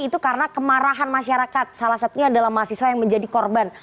itu karena kemarahan masyarakat salah satunya adalah mahasiswa yang menjadi korban